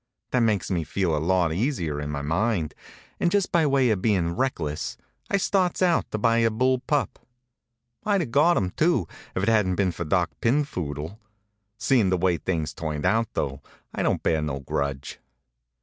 That makes me feel a lot easier in my mind, and just by way of bein' reckless, I starts out to buy a bull pup. I'd have got him, too, if it hadn't been for Doc Pinphoodle. Seein' the way things turned out, though, I don't bear no grudge.